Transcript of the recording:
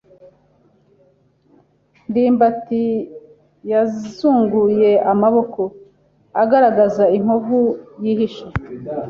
ndimbati yazunguye amaboko, agaragaza inkovu yihishe.